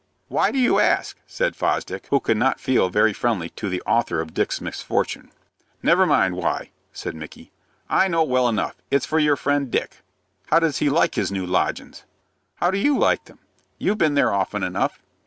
"Why do you ask?" said Fosdick, who could not feel very friendly to the author of Dick's misfortune. "Never mind why," said Micky. "I know well enough. It's for your friend Dick. How does he like his new lodgins'?" "How do you like them? You've been there often enough."